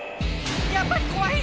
やっぱりこわい！